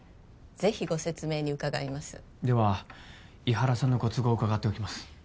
ぜひご説明に伺いますでは伊原さんのご都合を伺っておきます